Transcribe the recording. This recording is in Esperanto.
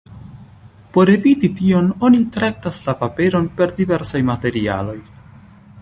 Por eviti tion, oni traktas la paperon per diversaj materialoj.